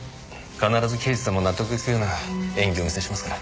必ず刑事さんも納得のいくような演技をお見せしますから。